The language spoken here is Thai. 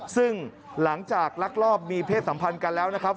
ซึ่งหลังจากลักลอบมีเพศสัมพันธ์กันแล้วนะครับ